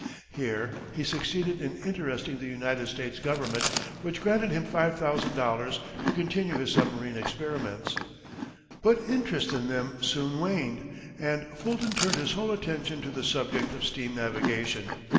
Here, he succeeded in interesting the United States government, which granted him $5,000 to continue his submarine experiments, but interest in them soon waned, and Fulton turned his whole attention to the subject of steam navigation.